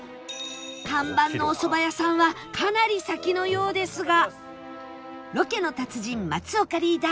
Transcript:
看板のおそば屋さんはかなり先のようですがロケの達人松岡リーダー